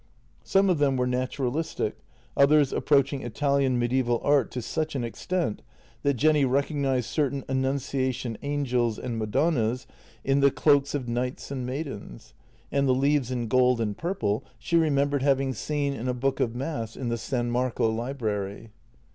Some of them were naturalistic, others approaching Italian mediaeval art to such an extent that Jenny recognized certain Annunciation angels and madonnas in the cloaks of JENNY 154 knights and maidens, and the leaves in gold and purple she remembered having seen in a book of mass in the San Marco library.